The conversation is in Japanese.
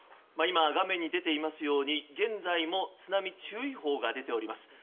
今画面に出ていますように現在も津波注意報が出ています。